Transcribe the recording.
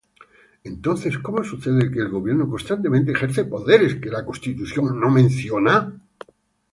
¿Entonces cómo sucede que el gobierno constantemente ejerce poderes que la Constitución no menciona?